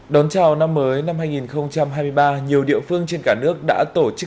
đón chào năm mới năm hai nghìn hai mươi ba nhiều địa phương trên cả nước đã tổ chức